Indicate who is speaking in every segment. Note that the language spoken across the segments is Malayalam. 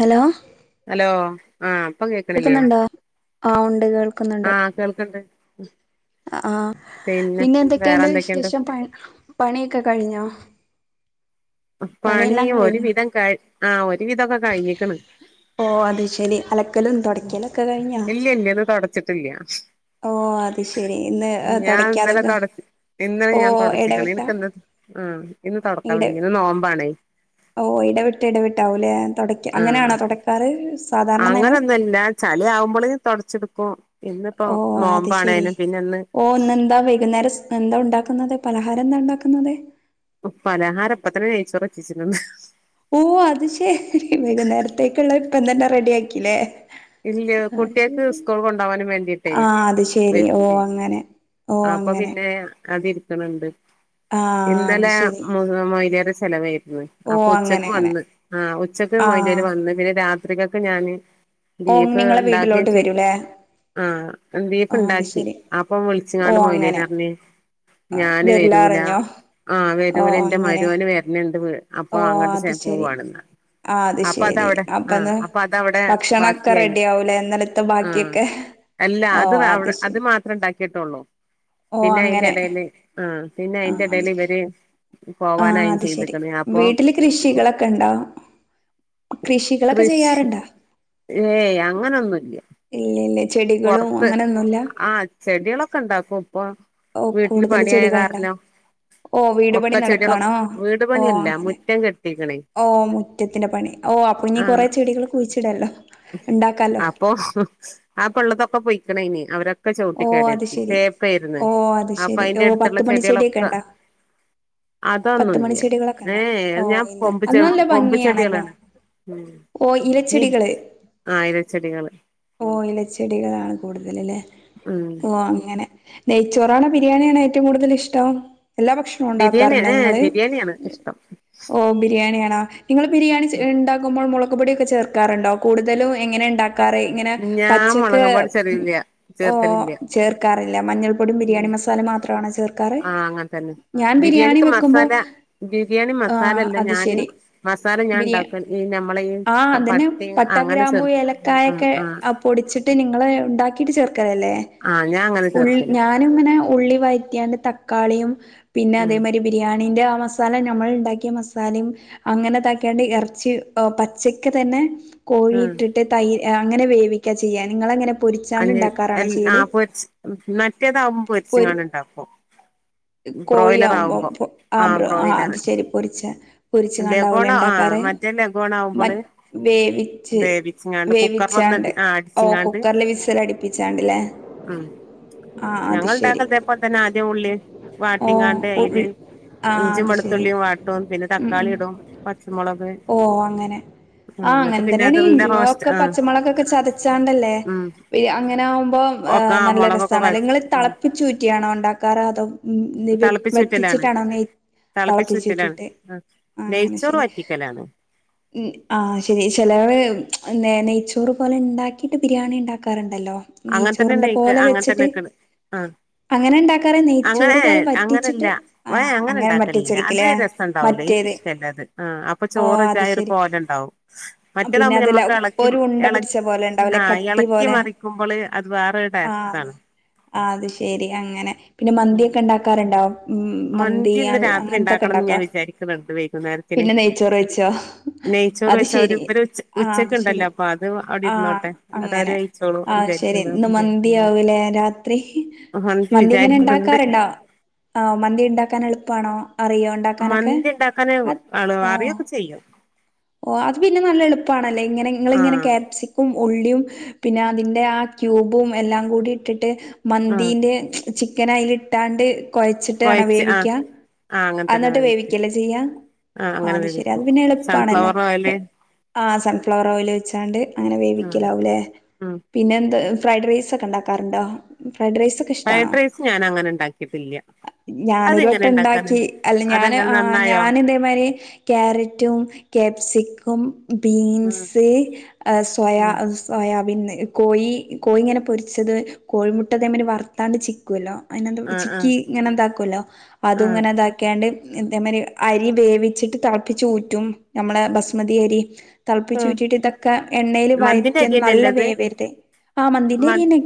Speaker 1: ഹലോ
Speaker 2: ഹലോ ആഹ അപ്പ കേൾക്കണില്ലേ
Speaker 1: കേൾക്കുന്നുണ്ടോ ആ ഉണ്ട്
Speaker 2: -ആഹ് കേൾക്ക്ണ്ട്
Speaker 1: ആഹ് പിന്നെ എന്തൊക്കെയുണ്ട് വിശേഷം പണിയൊക്കെ കഴിഞ്ഞോ പണിയെല്ലാം
Speaker 2: പണിയ ഒരു
Speaker 1: കഴിഞ്ഞോ
Speaker 2: വിധം [unintelligible] ആ ഒരു വിധം കഴിഞ്ഞിക്കുന്നു
Speaker 1: ഓ അത് ശരി അലക്കലും
Speaker 2: ഉ
Speaker 1: തുടയ്ക്കലൊക്കെ കഴിഞ്ഞോ
Speaker 2: ഇല്ല ഇല്ല ഇന്ന് തുടച്ചിട്ടില്ല
Speaker 1: ഓ അത് ശരി ഇന്ന്
Speaker 2: ഞാൻ ഇന്നലെ
Speaker 1: തുടയ്ക്കാതൊക്കെ
Speaker 2: തൊട ഇന്നലെ
Speaker 1: ഓ
Speaker 2: ഞാൻ തുടച്ചിക്ക്‌ണ് ഇ
Speaker 1: ഇടവിട്ട
Speaker 2: [unintelligible] ആ ഇന്ന് തുടക്കാൻ
Speaker 1: ഇട
Speaker 2: വയ്യ ഇന്ന് നോമ്പാണ്
Speaker 1: ഓ ഇടവിട്ട് ഇടവിട്ടാവുലേ തുടക്ക
Speaker 2: ആഹ്
Speaker 1: അങ്ങനെയാണോ തുടക്കാറ് സാധാരണ നിലം
Speaker 2: അങ്ങനൊന്നുല്ല ചളി ആവുമ്പോളേ തുടച്ചെടുക്കും
Speaker 1: ഓ അത് ശെരി ഓ ഒന്ന് എന്താ വൈകുന്നേരം എന്താ [unintelligible] പലഹാരം എന്താ ഉണ്ടാക്കുന്നത്?
Speaker 2: പലഹാരം ഇപ്പത്തന്നെ നെയ്ച്ചോറ് വച്ചിട്ടുണ്ട്ന്നു
Speaker 1: ഓ ഇപ്പത്തന്നെ റെഡി ആക്കില്ലേ
Speaker 2: ഇല്ലയ
Speaker 1: അത് ശരി
Speaker 2: കുട്ടികക്ക് സ്കൂൾ കൊണ്ടവാനും വേണ്ടിട്ടേ
Speaker 1: ആ അത് ശരി ഓ
Speaker 2: വെച്ച്
Speaker 1: അങ്ങനെ ഓ
Speaker 2: അപ്പൊ
Speaker 1: അങ്ങനെ
Speaker 2: പിന്നെ അതിരിക്കണണ്ട്
Speaker 1: ആ അത്
Speaker 2: ഇന്നലെ
Speaker 1: ശരി
Speaker 2: [unintelligible] ചെലവ്ർന്നു ഇനി
Speaker 1: ഓ അങ്ങനെ
Speaker 2: ഉച്ചക്ക്
Speaker 1: അങ്ങനെ
Speaker 2: വന്നന്ന് ആ ഉച്ചക്ക്
Speaker 1: ആ
Speaker 2: മോല്യാര്വന്ന് പിന്നെ രാത്രി രാത്രികത്ത്ഞാന്
Speaker 1: ഓ
Speaker 2: ബീഫ്
Speaker 1: നിങ്ങളെ
Speaker 2: ഉണ്ടാക്കുകയും
Speaker 1: വീട്ടിലോട്ട്
Speaker 2: ചെയ
Speaker 1: വരൂല്ലേ
Speaker 2: -ആ ബീഫ്
Speaker 1: ആ അത്
Speaker 2: ഉണ്ടാക്കി
Speaker 1: ശരി
Speaker 2: അപ്പൊ
Speaker 1: ഓ
Speaker 2: വിളിച്ചങ്ങാട് മൊലേര
Speaker 1: അങ്ങനെ
Speaker 2: പറഞ്ഞ
Speaker 1: ആ,
Speaker 2: ഞാന്
Speaker 1: വരില്ലാ
Speaker 2: വരൂല
Speaker 1: അറിഞ്ഞോ
Speaker 2: ആഹ
Speaker 1: ഓ
Speaker 2: വരൂല എന്റെ
Speaker 1: അങ്ങനെ
Speaker 2: മരോന് വരണിണ്ട് [unintelligible] വ അപ്പൊ
Speaker 1: ഓ അത്
Speaker 2: അങ്ങോട്ട്
Speaker 1: ശരി
Speaker 2: പോവാണെന്ന്
Speaker 1: ആ അത്
Speaker 2: അപ്പൊ
Speaker 1: ശരി
Speaker 2: അതവിടെ ആ
Speaker 1: അപ്പന്ന്
Speaker 2: അപ്പൊ അതവിടെ
Speaker 1: ഭക്ഷണൊക്കെ
Speaker 2: ബാക്കിയായി
Speaker 1: റെഡി ആവൂലേ ഇന്നലത്തെ
Speaker 2: ആ
Speaker 1: ബാക്കിയൊക്കെ
Speaker 2: അല്ല
Speaker 1: ഓ
Speaker 2: അത്ടെ അത്
Speaker 1: ശരി
Speaker 2: മാത്ര ഉണ്ടാക്കി ള്ളൂ
Speaker 1: ഓ
Speaker 2: പിന്നെ അതിന്റെ
Speaker 1: അങ്ങനെ
Speaker 2: ഇടൽ ആഹ് പിന്നെ അയിന്റെ ഇടൽ ഇവര്
Speaker 1: ആഹ
Speaker 2: പോവാനായും
Speaker 1: അത് ശെരി
Speaker 2: ചെയ്ത്ക്ക്ണ് അപ്പൊ
Speaker 1: വീട്ടില് കൃഷികളൊക്കെ ഉണ്ടോ? കൃഷികളൊക്കെ
Speaker 2: കൃഷി
Speaker 1: ചെയ്യാറുണ്ടാ
Speaker 2: ഏയ് അങ്ങനൊന്നുംല്ല
Speaker 1: ഇല്ല ഇല്ല ചെടികളും
Speaker 2: പുറത്ത്
Speaker 1: അങ്ങനൊന്നുല്ല
Speaker 2: ആഹ ചെടികളൊക്കെ ഉണ്ടാക്കും ഇപ്പൊ
Speaker 1: ഓ
Speaker 2: വീട്ടില്
Speaker 1: കൂടുതൽ
Speaker 2: പണിയായ
Speaker 1: ചെടികളുണ്ടോ
Speaker 2: കാരനോ
Speaker 1: ഓ വീട് പണി
Speaker 2: ഒക്കെ ചെടികളൊെ.
Speaker 1: നടക്കാണോ
Speaker 2: വീട്
Speaker 1: ഓ
Speaker 2: പണിയല്ല
Speaker 1: അങ്ങനെ
Speaker 2: മുറ്റം കെട്ടിക്കണേ
Speaker 1: ഓ മുറ്റത്തിന്റെ പണി ഓ അപ്പൊ ഇനിീ കൊറെ ചെടികൾ കുഴിച്ചിടല്ലോ ഉണ്ടാക്കാലോ
Speaker 2: [unintelligible] ഉള്ളതൊക്കെ പൊയിക്കണ ഇനി അവരെ ഒക്കെ
Speaker 1: ഓ അത്
Speaker 2: ചവട്ടികേടെരുതി
Speaker 1: ശരി
Speaker 2: തേപ്പയിന്ന്
Speaker 1: ഓ അത്
Speaker 2: അപ്പൊ
Speaker 1: ശരി ഓ
Speaker 2: അതിന്റെ
Speaker 1: പത്ത്
Speaker 2: അടുത്തുള്ള
Speaker 1: മണി ചെടിയൊക്കെ
Speaker 2: ചെടികളൊക്കെ
Speaker 1: ഉണ്ടോ പത്ത് മണി
Speaker 2: അതൊന്നുംല്ല
Speaker 1: ചെടികളൊക്കെ
Speaker 2: ഏ
Speaker 1: ഉണ്ടോ ഓ
Speaker 2: ഞാൻ
Speaker 1: ഇല്ല
Speaker 2: കൊമ്പ്
Speaker 1: അത്
Speaker 2: -ചെ
Speaker 1: നല്ല
Speaker 2: കൊമ്പ്
Speaker 1: ഭംഗിയാണല്ലോ
Speaker 2: ചെടികളാണ് ഉം
Speaker 1: ഓ
Speaker 2: നീ
Speaker 1: ഇലച്ചെടികള്
Speaker 2: ആയിരച്ചെടികള്
Speaker 1: ചെടികളാണ് കൂടുതല അല്ലേ ഓ അങ്ങനെ നെയ്ച്ചോറണ ബിരിയാണിയാണ് ഏറ്റവും കൂടുതൽ ഇഷ്ടം. എല്ലാ ഭക്ഷണവും
Speaker 2: ബിരിയാണി
Speaker 1: ഉണ്ടാക്കാറുണ്ട്
Speaker 2: ഏഹ്
Speaker 1: നിങ്ങള്
Speaker 2: ബിരിയാണിയാണ് ഇഷ്ടം
Speaker 1: ഓ ബിരിയാണിയണോ? നിങ്ങൾ ബിരിയാണി ഉണ്ടുമ്പോൾ മുളു പൊടിഒക്കെ ചേർക്കാറുണ്ടോ കൂടുതലും എങ്ങനെ ഉണ്ടാക്ക റേഇങ്ങനെ
Speaker 2: ഞാൻ
Speaker 1: പച്ചക്കെ
Speaker 2: മുളകും പൊടി ചെറിയില്ല ചേർക്കലില്ല
Speaker 1: ഓചേർക്കാറില്ല മഞ്ഞൾ പൊടിയും ബിരിയാണ
Speaker 2: ഉം
Speaker 1: മസാല മാത്രമാണ് ചേർക്കാറ്?
Speaker 2: ആഹ് അങ്ങനെ തന്നെ
Speaker 1: ഞാൻ ബിരിയാണി
Speaker 2: ബിരിയാണിക്ക്
Speaker 1: വെക്കുമ്പോ
Speaker 2: മസാല ബിരിയാണി
Speaker 1: ആഹ
Speaker 2: മസാലല്ല
Speaker 1: അത്
Speaker 2: ഞാന്
Speaker 1: ശരി
Speaker 2: മസാല ഞാൻ
Speaker 1: ബിരിയാ
Speaker 2: ഉണ്ടാക്കൽ ഈ നമ്മളെ ഈ
Speaker 1: ആഹ അതിെ
Speaker 2: പട്ടയും
Speaker 1: പട്ട,
Speaker 2: അങ്ങനെ
Speaker 1: ഗ്രാമ്പ്,
Speaker 2: ചേർ ആഹ്
Speaker 1: ഏലക്കായൊക്കെ
Speaker 2: ആഹ്
Speaker 1: പൊടിച്ചിട്ട് നിങ്ങള് ഉണ്ടാക്കിട്ട് ചേർക്ക ല്ലേ
Speaker 2: ആഹ് ഞാൻ അങ്ങനെ
Speaker 1: ഉ
Speaker 2: ചേർക്കല്
Speaker 1: ഞാനി ഇങ്ങനെ ഉള്ളി വഴറ്റാണ്ട് തക്കാളിയും പിന്നെ
Speaker 2: ഉം
Speaker 1: അതേമാതിരി ബിരിയാണിന്റെ മസാല നമ്മൾ ഉണ്ടാക്കിയ മസാലെ അങ്ങനെതാക്കേണ്ട ഇറച്ചി പച്ചക്ക തന്നെ കോഴി
Speaker 2: ഉം
Speaker 1: ഇട്ടിട്ട് തൈ അങ്ങനെ വേവിക്കുക ചെയ്യാം നിങ്ങ അങ്ങനെ പൊരിച്ചാണ്ട്ണ്ടാക്ക
Speaker 2: എ ആ പൊരി മറ്റേതാവുമ്പോ
Speaker 1: പൊരി
Speaker 2: പൊരിച്ചങ്ങാട് ഉൺണ്ടക്കു ബ്രോയിലറ
Speaker 1: കോഴിയാവുമ്പോ
Speaker 2: ആവുമ്പോ
Speaker 1: പൊ ആ
Speaker 2: ആഹ
Speaker 1: ബ്രോ ആ
Speaker 2: ബ്രോയിലറ്
Speaker 1: അത് ശരി പൊരിച്ച പൊരിച്ച്
Speaker 2: ലെഗേക്ണ
Speaker 1: കണ്ടാവൂലേ
Speaker 2: ആ ആ
Speaker 1: ഉണ്ടാക്കാറ്
Speaker 2: മറ്റേ ലഘോണ
Speaker 1: മ
Speaker 2: ആവുമ്പോള്
Speaker 1: വേവിച്ച്
Speaker 2: വേവിച്ചിങ്ങാണ്ട് കുക്കറില ഒന്ന
Speaker 1: വേവിച്ചാണ്ട്
Speaker 2: ആ അടിച്ചിങ്ങാണ്ട്
Speaker 1: പ്പിച്ചാണ്ടല്ലേ
Speaker 2: ഉം ഞങ്ങൾ ഇണ്ടാക്കത്തെപ്പ തന്നെ ആദ്യം ഉള്ളി
Speaker 1: ഓ
Speaker 2: വാട്ടിങ്ങാണ്ട്
Speaker 1: ഉൾ
Speaker 2: അയല്
Speaker 1: ആ
Speaker 2: ഇഞ്ചി
Speaker 1: അത് ശരി
Speaker 2: വെളുത്തുള്ളിയും വാട്ടും പിന്നെ
Speaker 1: ഉം
Speaker 2: തക്കാളി,
Speaker 1: ഉം
Speaker 2: ഇടും, പച്ചമുളക് ആ
Speaker 1: ആഹ്
Speaker 2: എന്നിട്ട്
Speaker 1: അങ്ങനെ
Speaker 2: പിന്നെ
Speaker 1: തന്നെയാണ്
Speaker 2: അതുള്ള
Speaker 1: ഇഞ്ചി
Speaker 2: റോസ്റ്റ്
Speaker 1: ഒക്കെ
Speaker 2: ആ
Speaker 1: പച്ചമുളക്ക്കെ ചതച്ചാണ്ടല്ലേ?
Speaker 2: ഉം
Speaker 1: അങ്ങനെ ആക്പോ
Speaker 2: ഒക്കെ ആ
Speaker 1: നല്ല
Speaker 2: മുളകൊക്കെ
Speaker 1: രസാണ്
Speaker 2: കൊഴച്ച്
Speaker 1: അല്ലെങ്കിൽ തെളപ്പിച്ച് ഊറ്റിയാണോ ഉണ്ടാക്കാറ് അതോ ഉം, വെ-
Speaker 2: തളപ്പിച്ചു
Speaker 1: വറ്റിച്ചിട്ടാണോ നെയ്
Speaker 2: ഊറ്റലാണ്.
Speaker 1: തിളപ്പിച്ചൂറ്റിയിട്ട്
Speaker 2: നെയ്ച്ചോറ് വറ്റിക്കലാണ്.
Speaker 1: ഉ ആഹ ശരി ചെലര് നെയ്ച്ചോറ് പോലെ ഉണ്ടാക്കിയിട്ട് ബിരിയാണി ഉണ്ടാക്കാറുണ്ട്.
Speaker 2: അങ്ങനെത്തന്നെക്ക് അങ്ങനെത്തന്നെക്കണ് ആ
Speaker 1: അങ്ങനെ ഉണ്ടാക്കാറ്
Speaker 2: അങ്ങനെ
Speaker 1: നെയ്ച്ചോറ് പോലെ
Speaker 2: അങ്ങനെല്ല
Speaker 1: വറ്റിച്ചിട്ട്
Speaker 2: വയ
Speaker 1: ആഹ്
Speaker 2: അങ്ങനെ ഉണ്ടാക്കലില്ല അത്
Speaker 1: വറ്റിച്ചെടുക്കില്ലേ
Speaker 2: രസം ഉണ്ടാവൂല.
Speaker 1: മറ്റേത്
Speaker 2: ഇഷ്ടല്ലത് ആ അപ്പൊ
Speaker 1: ഓ
Speaker 2: ചോറ്
Speaker 1: അത്
Speaker 2: ചായ ഒരു
Speaker 1: ശരി
Speaker 2: കോല് ഉണ്ടാവും
Speaker 1: പിന്നെ
Speaker 2: മറ്റേതാവുമ്പോ
Speaker 1: അതല്ല
Speaker 2: മ്മക്ക് എളക്കി
Speaker 1: ഒരു ഉണ്ട
Speaker 2: എള
Speaker 1: പിടിച്ച പോലെ ഉണ്ടാവൂലേ കട്ടി പോലെ
Speaker 2: അത് വേറൊരു
Speaker 1: ആ
Speaker 2: ടേസ്റ്റ് ഇതാണ്
Speaker 1: ആ അത് ശെരി അങ്ങനെ പിന്നെ മന്തിയൊക്കെ ഉണ്ടാക്കാറുണ്ടോ? ഉം മന്തി
Speaker 2: മന്തിഇന്ന്
Speaker 1: അൽ
Speaker 2: രാത്രി
Speaker 1: അങ്ങനത്തൊക്കെ
Speaker 2: ഉണ്ടാക്കണംന്ന് ഞാൻ
Speaker 1: ഉണ്ടാക്കോ
Speaker 2: വിചാരിക്കണ്‌ണ്ട് വൈകുന്നേരത്തിന്
Speaker 1: പിന്നെ നെയ്ച്ചോറ് വെച്ചോ
Speaker 2: നെയ്ച്ചോറ്
Speaker 1: അത്
Speaker 2: വെച്ച അവര്
Speaker 1: ശരി
Speaker 2: ഇവര് ഉ
Speaker 1: ആ
Speaker 2: ഉച്ചക്ക്
Speaker 1: അത് ശരി
Speaker 2: ഉണ്ടല്ലോ അപ്പൊ അത് അവിടെ ഇടുന്നോട്ടെ അത അവര് കയിച്ചോളൂം
Speaker 1: ആഹ് ശെരി ഇന്ന് മന്തിയാവൂലേ രാത്രി മന്തി ഇങ്ങനെ ഇണ്ടാക്കാറുണ്ടോ? ആ മന്തി ഉണ്ടാക്കാൻ എളുപ്പാണോ? അറിയോ ഉണ്ടാക്കാനൊക്കെ
Speaker 2: മന്തി ഉണ്ടാക്കാന്
Speaker 1: അ
Speaker 2: ആള്
Speaker 1: ഓ
Speaker 2: അറിയൊക്കെ ചെയ്യും
Speaker 1: ഓ അത് പിന്നെ നല്ല എളുപ്പാണല്ലേ ഇങ്ങനെ നിങ്ങള്
Speaker 2: ആ
Speaker 1: ഇങ്ങനെ കാപ്സിക്കും ഉള്ളിയും പിന്നെ മന്തീന്റെ ആ ക്യൂബും എല്ലാം കൂടി ഇട്ടിട്ട്
Speaker 2: ആ
Speaker 1: മന്തീന്റെ ചി ക്കൻ അതിൽ ഇട്ടാണ്ട് കൊഴച്ചിട്ട്
Speaker 2: കൊഴച്ച് ആഹ്
Speaker 1: ആണോവേവിക്കാ
Speaker 2: ആഹ് അങ്ങനെ തന്നെ
Speaker 1: അന്നിട്ട്
Speaker 2: വേവിക്കും
Speaker 1: വേവിക്കല്ലേ ചെയ്യാ
Speaker 2: ആഹ്
Speaker 1: ആ
Speaker 2: അങ്ങനെ
Speaker 1: അത് ശെരി അത്
Speaker 2: വേവിക്കും
Speaker 1: പിന്നെ എളുപ്പാണല്ലോ
Speaker 2: സൺഫ്ലവർ ഓയില്
Speaker 1: ആഹ് സൺഫ്ലവർ ഓയിൽ വെച്ചാണ്ട് അങ്ങനെ
Speaker 2: ഉം
Speaker 1: വേവിക്കലാവുല്ലേ
Speaker 2: ഉം
Speaker 1: പിന്നെ ഫ്രൈഡ് റൈസ് ഒക്കെ ഉണ്ടാക്കാറുണ്ടോ? ഫ്രൈഡ് റൈസൊക്കെ ഇഷ്ടാണോ?
Speaker 2: ഫ്രൈഡ് റൈസ് ഞാൻ അങ്ങനെ ഉണ്ടാക്കിട്ടില്ല.
Speaker 1: ഞാനൊരു വട്ടം ഉണ്ടാക്കി അല്ല ഞാൻ
Speaker 2: അതങ്ങനെ
Speaker 1: ആ
Speaker 2: നന്നായോ
Speaker 1: ഞാൻ ഇതേമാതിരി ക്യാരറ്റും ക്യാപ്സിക്കും,
Speaker 2: ഉം
Speaker 1: ബീൻസ്, സോയാ
Speaker 2: ഉം
Speaker 1: സോയാബീൻ കോഴി, കോഴി ഇങ്ങനെ പൊരിച്ചത് കോഴിമുട്ട ഇതേമാതിരിവറുത്താണ്ട് ചിക്കുവല്ലോ? അതിനെന്താ
Speaker 2: ആഹ്
Speaker 1: ചിക്കി
Speaker 2: ആഹ്
Speaker 1: ഇങ്ങനെ എന്താക്കുവല്ലോ അതും
Speaker 2: ആഹ്
Speaker 1: ഇങ്ങനെ ഇതാക്യാണ്ട് ഇതേ മാതിരി അരി വേവിച്ചിട്ട് തിളപ്പിച്ച് ഊറ്റും നമ്മളെ ബസ്മതി അരി തിളപ്പിച്ചു
Speaker 2: ഉം
Speaker 1: ഊറ്റിട്ട് ഇതൊക്കെ എണ്ണയിൽ
Speaker 2: മന്തിന്റെ
Speaker 1: വയറ്റി നല്ല
Speaker 2: അരിയന്നെല്ലേ അത്
Speaker 1: വേവരുത് - - ആഹ് മന്തീന്റെ
Speaker 2: മ
Speaker 1: അരിയന്നെ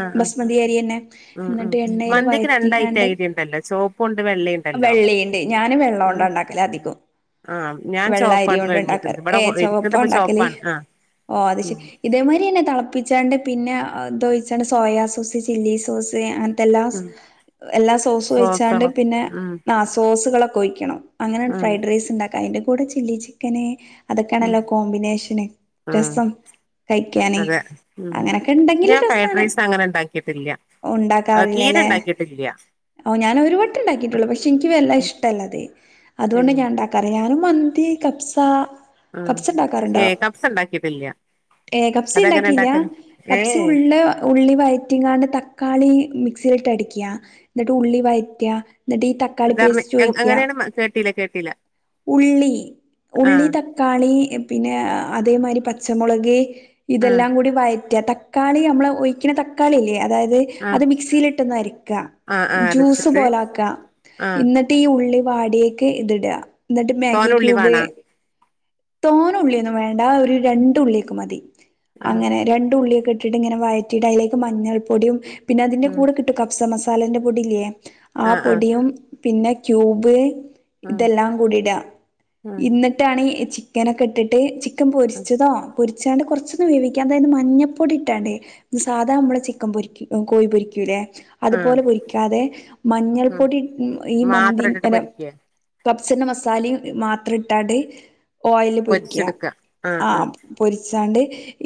Speaker 2: ആഹ് ആഹ്
Speaker 1: ബസ്മതി അരിയന്നെ
Speaker 2: ഉം ഉം
Speaker 1: എന്നിട്ട് എണ്ണേൽ
Speaker 2: മന്തിക്ക് രണ്ടയിറ്റം
Speaker 1: വയറ്റീങ്ങാണ്ട്
Speaker 2: അരി ഉണ്ടല്ലോ ചോപ്പും ഉണ്ട് വെള്ളയും ഉണ്ടല്ലോ
Speaker 1: വെള്ളീണ്ട് ഞാന് വെള്ളോണ്ട്
Speaker 2: ഉം
Speaker 1: ഉണ്ടാക്കലാ അധികോം
Speaker 2: ആഹ് ഞാൻ
Speaker 1: വെള്ള
Speaker 2: ചോപ്പാ
Speaker 1: അരി കൊണ്ട് ഉണ്ടാക്കാറ്
Speaker 2: വാങ്ങിക്കുന്നത് ഇവിടെ
Speaker 1: ഏ
Speaker 2: ഇരിക്കുന്നത്
Speaker 1: ചുവപ്പാ
Speaker 2: ഇപ്പ
Speaker 1: ഉണ്ടാക്കല്
Speaker 2: ചോപ്പാണ് ആഹ്
Speaker 1: ഓ അത്
Speaker 2: ഉം
Speaker 1: ശെരി ഇതേമാതിരി എന്നെ തിളപ്പി പിന്നെന്തോയിച്ചണ് സോയ സോസ് ചില്ലി സോസ് അങ്ങനത്തെല്ലാം
Speaker 2: ഉം
Speaker 1: എല്ലാ സോസുവൊയ്ച്ചാണ്ട്
Speaker 2: സോസള്
Speaker 1: പിന്നെ
Speaker 2: ഉം
Speaker 1: ആ സോസികളൊക്കെ ഒയിക്കണം അങ്ങനെൺ
Speaker 2: ഉം
Speaker 1: ഫ്രൈഡ് റൈസ് ഇണ്ടാക്കാം അയിന്റെ കൂടെ ചില്ലി ചിക്കനേ
Speaker 2: ഉം
Speaker 1: അതൊക്കെയാണല്ലോ കോമ്പിനേഷന്
Speaker 2: ആഹ്
Speaker 1: രസം കഴിക്കാന്
Speaker 2: അതെ ഉം
Speaker 1: അങ്ങനൊക്കെ ഉണ്ടെങ്കില്
Speaker 2: ഞാൻ ഫ്രൈഡ്
Speaker 1: രസമാണ്
Speaker 2: റൈസ് അങ്ങനെ ഉണ്ടാക്കിയിട്ടില്ല തീരെ
Speaker 1: ഉണ്ടാക്കാറില്ലല്ലെ
Speaker 2: ഉണ്ടാക്കിയിട്ടില്ല
Speaker 1: ഓ ഞാനൊരു വട്ടണ്ടാക്കിട്ടൊള്ളൂ പഷെ ഇൻക്ക് വല്ല ഇഷ്ടല്ലത്
Speaker 2: ഏ
Speaker 1: അതൊണ്ട ഞാൻ ഐണ്ടാക്കാറ് ഞ അ മന്തി കപസ
Speaker 2: [unintelligible] ഏ കപ്സ് ഉണ്ടാക്കിട്ടില്ല
Speaker 1: ഏ കപ്സി
Speaker 2: അതെങ്ങനെ
Speaker 1: ഉണ്ടാക്കിയില്ല
Speaker 2: ഉണ്ടാക്കല് ഏ
Speaker 1: കബ്സി ഉള്ള ഉള്ളി വയറ്റിങ്ങാണ്ട് തക്കാളി മിക് മിക്സീലിട്ടടിക്ക ഇന്നിട്ട് ഉള്ളി വയറ്റ ഇന്നിട്ട് ഈ തക്കാളി
Speaker 2: അതറിഞ്ഞ്
Speaker 1: പേസ്റ്റ് ഒയിക്ക
Speaker 2: അങ്ങനെയാണ് മ- കേട്ടില്ല കേട്ടില്ല
Speaker 1: ഉള്ളി
Speaker 2: ആ
Speaker 1: ഉള്ളി തക്കാളി പിന്നെ അതേമാരി പച്ചമുളക്
Speaker 2: ആ
Speaker 1: ഇതെല്ലാം കൂടി വയറ്റ തക്കാളിയമ്മള് ഒഴിക്കിണ തക്കാളില്ലേ അതായത്
Speaker 2: ആ
Speaker 1: അത് മിക്സീലിട്ടൊന്ന് അരിക്ക
Speaker 2: ആ ആ
Speaker 1: ജ്യൂസ്
Speaker 2: അരച്ചിട്ട്
Speaker 1: പോലാക്ക
Speaker 2: ആ
Speaker 1: ഇന്നിട്ട് ഈ ഉള്ളി വാട്യേക്ക് ഇതിട ഇന്നിട്ട്
Speaker 2: തോന
Speaker 1: മാഗി
Speaker 2: ഉള്ളി
Speaker 1: ക്യൂബ്
Speaker 2: വേണാ
Speaker 1: തോന ഉള്ള്യൊന്നും വേണ്ട ഒരു രണ്ടുള്ളിക്ക് മതി
Speaker 2: ആ
Speaker 1: അങ്ങനെ രണ്ടുള്ളി കെട്ടിട്ട് ഇങ്ങനെ വയറ്റിട്ട് അതിലേക്ക് മഞ്ഞൾ പൊടീം പിന്നെ അതിന്റെ
Speaker 2: ആ
Speaker 1: കൂടെ കിട്ടും കഫ്സ മസാലേന്റെ പൊടി ഇല്ലേ ആ പൊടിയും പിന്നെ ക്യൂബ് ഇതെല്ലാം കൂടിട
Speaker 2: ആ ആ
Speaker 1: ഇന്നിട്ടാണ് ചിക്കനൊക്കെ ഇട്ടിട്ട് ചി [unintelligible] പൊരിച്ചതാ പൊരി ച്ചാണ്ട് കുറച്ചൊന്ന് വേവിക്കാം അതായത് മഞ്ഞപ്പൊടി ഇട്ടാണ്ടേ സാധാ നമ്മെ ചിക്കൻ പൊരിക്ക കോയി പൊരിക്കൂല്ലേ അതുപോലെ
Speaker 2: ഉം.
Speaker 1: പൊരിക്കാതെ മഞ്ഞൾപ്പൊടി ഈ മന്തി
Speaker 2: മാത്രം
Speaker 1: [inaudible]
Speaker 2: ഇട്ടിട്ട് പൊരിക്കുക
Speaker 1: സൻ്റെ മസാല്യും മാത്രം ഇട്ടാണ്ട് ഓയിയില് പൊരിക്കുക ആ പൊരിച്ചാണ്ട്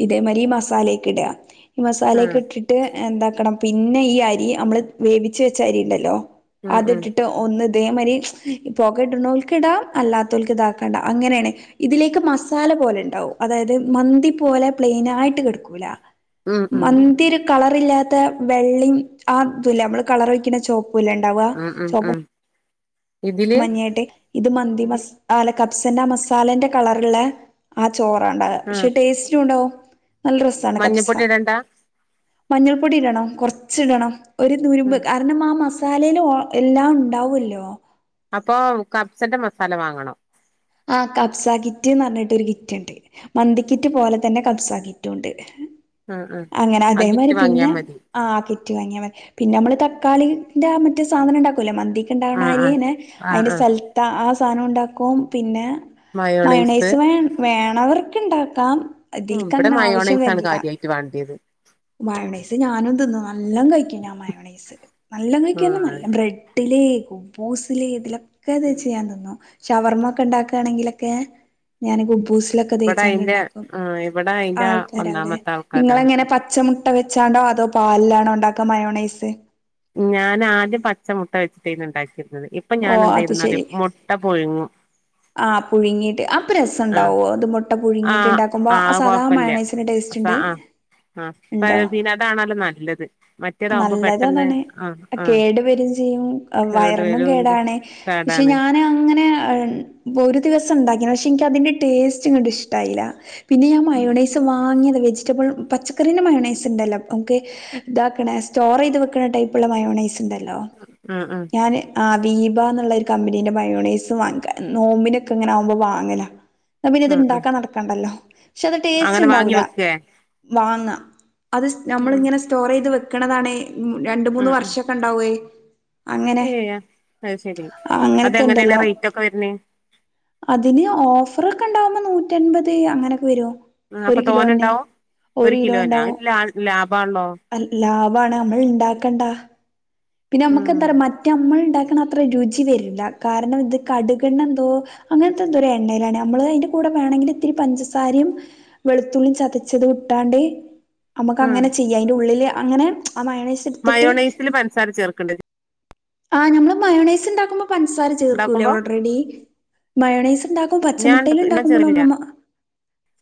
Speaker 1: ഇതേമാരി ഈ മസാലയക്കെ ഇടുക ഈ
Speaker 2: ആ
Speaker 1: മസാലയൊക്കെ ഇട്ടിട്ട് എന്താക്കണം പിന്നെ ഈ അരി അമ്മള് വേവിച്ച വെച്ച അരി ഇണ്ടല്ലോ
Speaker 2: ഉം ഉം
Speaker 1: അതിട്ടിട്ട് ഒന്ന് അതേമാതിരി പോക ഇടണോൾക്ക് ഇടാം അല്ലാത്തവൾക്ക് ഇതാക്കാണ്ട അങ്ങനെയാണ് ഇതിലേക്ക് മസാല പോലെണ്ടാവും അതായത് മന്തി പോലെ പ്ലെയിൻ ആയിട്ട് കെട്ക്കൂല
Speaker 2: ഉം ഉം
Speaker 1: മന്ത്യരു കളർ ഇല്ലാത്ത വെള്ളിം ആ ഇതുല്ലെ നമ്മള് കളറൊയ്ക്കിണെ ചോപ് പോലണ്ടാവുക
Speaker 2: ഉം ഉം
Speaker 1: ചോപ്പം
Speaker 2: ഉം ഇതില്
Speaker 1: മഞ്ഞേട്ട് ഇത് മന്തി മസ് ആല്ല കബ്സന്റെ മസാലന്റെ കളറിള്ള അ ചോറണ്ട
Speaker 2: ആ
Speaker 1: പക്ഷെ ടേസ്റ്റ് ഉണ്ടോ നല്ല രസാണ് കബ്സ
Speaker 2: മഞ്ഞപ്പൊടി ഇടണ്ട
Speaker 1: മഞ്ഞൾപ്പൊടി ഇടണം കൊറച്ച് ഇടണം ഒരു
Speaker 2: ഉം
Speaker 1: നുറുമ്പ് കാരണം ആ മസാലേൽ ഓ എല്ലാം ഉണ്ടാവല്ലോ
Speaker 2: അപ്പൊ കബ്സന്റെ മസാല വാങ്ങണം
Speaker 1: ആഹ കബ്സ കിറ്റ് ന്നു പറഞ്ഞിട്ട് ഒരു കിറ്റ്ണ്ട് മന്തിക്കിറ്റ് പോലെ തന്നെ കബ്സ കിറ്റും ഉണ്ട് കിറ്റ്ണ്ട്
Speaker 2: ആഹ് ആഹ്
Speaker 1: അങ്ങനെ
Speaker 2: ആ
Speaker 1: അതേമാതിരി
Speaker 2: കിറ്റ് വാങ്ങിയാ
Speaker 1: പിന്നെ
Speaker 2: മതി
Speaker 1: ആ കിറ്റ് വാങ്ങിയാ മതി പിന്നെ നമ്മള് തക്കാളി ന്റെ ആ മറ്റേ സാധനണ്ടാക്കൂല്ലേ മന്തിക്കിണ്ടാവ്ന്ണ
Speaker 2: ആഹ് ആഹ്
Speaker 1: ആയിന്
Speaker 2: ആഹ്
Speaker 1: അയ്ന്റെ
Speaker 2: ആഹ്
Speaker 1: സൽത്ത ആ സാനോണ്ടാക്കും
Speaker 2: മയോണൈസ്
Speaker 1: മയണൈസ് വേ വേണവർക്ക് ഉണ്ടാക്കാം ഇതിൽക്ക് അങ്ങനെ ആവശ്യം വരില്ല
Speaker 2: ഇത് വേണ്ടിയത്
Speaker 1: മയോണൈസ് ഞാനും തിന്നും നല്ലാം കയിക്കും ഞാൻ മയോണൈസ് നല്ല കഴിക്കുന്നർഞ
Speaker 2: ആഹ്
Speaker 1: നല്ല ബ്രെഡ്ഡില് കുബൂസില് ഇതിലൊക്കെ തേച്ച് യാൻ തിന്നു ഷവർമാക്കെ ഉണ്ടാക്കുകയാണെങ്കിലൊക്കെ ഞാൻ ഗുബൂസ്
Speaker 2: ഇവിടെ അയിന്റെ
Speaker 1: [unintelligible]
Speaker 2: ആഹ് ഇവിടെ അയിന്റെ
Speaker 1: ആൾക്കാരല്ലേ
Speaker 2: ഒന്നാമത്തെ ആൾക്കാരാണ്
Speaker 1: നിങ്ങളങ്ങനെ പ മുട്ട വെച്ചാണ്ടോ അതോ പാൽലാണോ ഇണ്ടാക്ക മയോണൈസ്
Speaker 2: ഞാൻ ആദ്യം പച്ചമുട്ട വെച്ചിട്ടേന്ന് ഇണ്ടാക്കിര് ഇപ്പൊ
Speaker 1: ഓ അത്
Speaker 2: ഞാനെന്തയ്ത് ന്നറ്യോ
Speaker 1: ശെരി
Speaker 2: മൊട്ട പുഴുങ്ങു
Speaker 1: ആ പുഴുങ്ങിട്ട് ആം അ രസം
Speaker 2: ആഹ്
Speaker 1: ഉണ്ടാവോ അത് മുട്ട
Speaker 2: ആഹ്
Speaker 1: പുഴുങ്ങിയിട്ടുണ്ടാക്കുമ്പോ
Speaker 2: ആഹ്
Speaker 1: സാധാ മയണൈസിന്റെ ടേസ്റ്റ് ഉണ്ട്
Speaker 2: ആ [unintelligible] അതാണല്ലോ നല്ലത് മറ്റേതാവുമ്പോ പെട്ടെന്ന്
Speaker 1: നല്ലതതാണ്
Speaker 2: ആ ആ
Speaker 1: [unintelligible] വയറിനും കേടാണ് പക്ഷെ
Speaker 2: പാടാണ്
Speaker 1: ഞാൻ അങ്ങനെ ഒരു ദിവസം ഉണ്ടാക്കി പക്ഷെ എനിക്ക് അതിന്റെ ടേസ്റ്റ് ഇങ്ങട് ഇഷ്ടായില്ല പിന്നെ ഞാൻ മയോണൈസ് വാങ്ങിയതിലെ വെജിറ്റബിൾ പച്ചക്കറീന്റെ മയോണൈസ് ഉണ്ടല്ലോ നമുക്ക് ഇതാക്കണ സ്റ്റോർ ചെയ്ത് വെക്കണ്‌ ടൈപ്പ് ഉള്ള മയോണൈസ് ണ്ടല്ലോ
Speaker 2: ആഹ് ആഹ്
Speaker 1: ഞാന് ആ ദീപ എന്നുള്ള ഒര് കമ്പനീടെ മയോണൈസ് വാങ്ങിക്കാ നോമ്പിനൊക്കെ ഇങ്ങനെ ആകുമ്പോ വാങ്ങലാ പിന്നെ ഇത്
Speaker 2: ആഹ് ആഹ്
Speaker 1: ഇണ്ടാക്കാൻ നടക്കണ്ടല്ലോ പക്ഷെ അത് ടേസ്റ്റ്
Speaker 2: അങ്ങനെ വാങ്ങി
Speaker 1: ഉണ്ടാവൂല
Speaker 2: വെക്കേ
Speaker 1: വാങ്ങ അത്
Speaker 2: ഉം
Speaker 1: നമ്മൾഇങ്ങനെ സ്റ്റോർ ചെയ്ത് വെക്കണതാണേ രണ്ട് മൂന്ന് വർഷം ഒക്കെ ഉണ്ടാവേ
Speaker 2: ഏ അത് ശെരി അതെങ്ങനെയാണ്
Speaker 1: അങ്ങനത്തെണ്ടല്ലോ
Speaker 2: റേറ്റ് ഒക്കെ വരുന്നേ
Speaker 1: അതിന് ഓഫർ ഒക്കെ ഉണ്ടാവുമ്പോ നൂറ്റമ്പത് അങ്ങനൊക്കെ വരും
Speaker 2: ഉം
Speaker 1: ഒരു
Speaker 2: അപ്പൊ
Speaker 1: കിലോ തന്നെ
Speaker 2: തോനെണ്ടാവും
Speaker 1: ഒരു കിലോ
Speaker 2: കിലോനാ
Speaker 1: ഉണ്ടാവും
Speaker 2: അത് ലാ ലാഭാണല്ലോ
Speaker 1: ലാഭ വാണ് നമ്മൾ ഉണ്ടാക്കണ്ട പിന്നെ നമ്മുക്ക് എന്താ
Speaker 2: ഉം
Speaker 1: പറ മറ്റേമ്മൾ ഉണ്ടാ അത്ര രുചി വരില്ല കാരണം ഇത് കടുക എണ്ണ എന്തോ അങ്ങനത്തെ എന്തോ എണ്ണയിലാണ് നമ്മള് അതിന്റെ കൂടെ വേണെങ്കിൽ ഇത്തിരി പഞ്ചസാരയും വെളുത്തു ള്ളി ചതച്ചത് ഇട്ടാണ്ട് നമുക്ക്
Speaker 2: ഉം
Speaker 1: അങ്ങനെ ചെയ്യാം അതിന്റെ ഉള്ളില് അങ്ങനെ ആ മയോണൈസ് എടുത്തിട്ട്
Speaker 2: മയോണൈസിൽ പൻസാര ചേർക്കണ്ടേ
Speaker 1: ആ നമ്മള് മയോണൈസ് ഉണ്ടാക്കുമ്പോ പഞ്ചസാര ചേർക്കൂലേ
Speaker 2: ഉണ്ടാക്കുമ്പോ
Speaker 1: ഓൾറെഡി മയോണൈസ് ഉണ്ടാക്കും
Speaker 2: ഞാൻ
Speaker 1: പച്ചമുട്ടേല്
Speaker 2: ഞാൻ
Speaker 1: ഉണ്ടാക്കുമ്പോളും
Speaker 2: ചേർലില്ല
Speaker 1: അമ്മമ്മ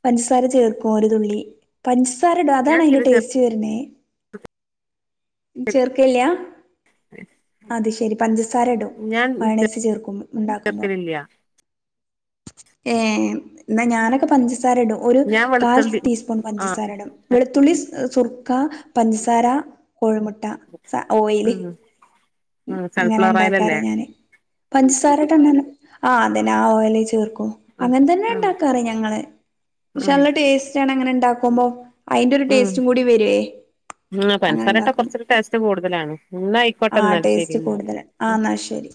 Speaker 1: പഞ്ചസാര ചേർക്കും ഒരു തുള്ളി പഞ്ചസാരയിടും
Speaker 2: ഞാൻ
Speaker 1: അതാണ് അതിന്റെ
Speaker 2: തീരെ ചേർ
Speaker 1: ടേസ്റ്റ് വരുന്നേ ചേർക്കല്ലിയാ അത് ശെരി പഞ്ചസാര ഇടും
Speaker 2: ഞാൻ
Speaker 1: മയോണൈസ് ചേർക്കും ഉണ്ടാക്കുമ്പോ
Speaker 2: ചേർക്കലില്ല
Speaker 1: ഏ എന്നാ ഞാനൊക്കെ പഞ്ചസാ സാര ഇടും ഒരു
Speaker 2: ഞാൻ
Speaker 1: കാൽ
Speaker 2: വെളുത്തുള്ളി
Speaker 1: ടീസ്പൂൺ
Speaker 2: ആഹ്
Speaker 1: പഞ്ചസാരയിടും വെളുത്തുള്ളി സുർ ക്ക പഞ്ചസാര, കോഴിമുട്ട, ഓയില്
Speaker 2: ഉം ഉം
Speaker 1: ഇങ്ങനെ
Speaker 2: സൺഫ്ലവർ
Speaker 1: ഉണ്ടാക്കാറ്
Speaker 2: ഓയിലല്ലേ
Speaker 1: ഞാന് പഞ്ചസാര ആ അതന്നെ ആ ഓയില് ചേർക്കും
Speaker 2: ഉം
Speaker 1: അങ്ങനെ തന്നെ
Speaker 2: ഉം
Speaker 1: ഉണ്ടാക്കാറ ഞങ്ങള് പക്ഷെ
Speaker 2: ഉം
Speaker 1: നല്ല ടേസ്റ്റ് ആണ് അങ്ങനെ ഇണ്ടാക്കുമ്പോ അതിന്റെ ഒരു
Speaker 2: ഉം
Speaker 1: ടേസ്റ്റും കൂടി വരുവേ
Speaker 2: ഉം
Speaker 1: അങ്ങനെ
Speaker 2: പൻസാരട്ടാ
Speaker 1: ഇണ്ടാക്കുമ്പോ
Speaker 2: കുറച്ചൊരു ടേസ്റ്റ് കൂടുതലാണ് എന്നാ ആയിക്കോട്ടെ
Speaker 1: ആഹ
Speaker 2: എന്നാൽ ശരി
Speaker 1: ടേസ്റ്റ് കൂടുതല
Speaker 2: എന്നാല്
Speaker 1: ആ എന്നാ ശരി